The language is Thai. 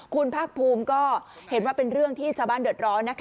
คุณภาคภูมิก็เห็นว่าเป็นเรื่องที่ชาวบ้านเดือดร้อนนะคะ